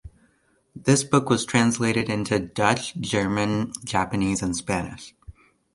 This book was translated into Dutch, German, Japanese and Spanish.